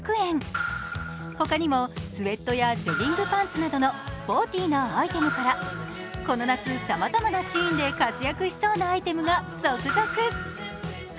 他にもスエットやジョギングパンツなどのスポーティーなアイテムからこの夏、さまざまなシーンで活躍しそうなアイテムが続々。